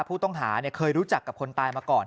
ผู้ต้องหาเคยรู้จักกับคนตายมาก่อน